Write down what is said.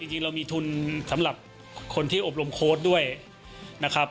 จริงเรามีทุนสำหรับคนที่อบรมโค้ดด้วยนะครับ